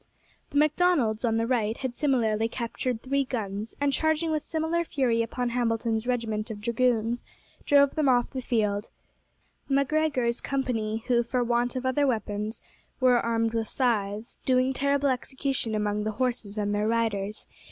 The Macdonalds on the right had similarly captured three guns, and charging with similar fury upon Hamilton's regiment of dragoons, drove them off the field; Macgregor's company, who, for want of other weapons were armed with scythes, doing terrible execution among the horses and their riders.